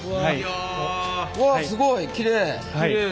うわすごいきれい。